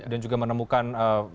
dan juga menemukan